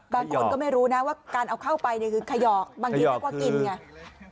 บางคนก็ไม่รู้นะว่าการเอาเข้าไปเนี่ยคือขยอกบางทีเรียกว่ากินไง